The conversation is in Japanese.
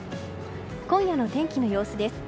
今夜の天気の様子です。